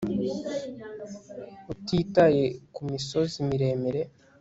utitaye kumisozi miremire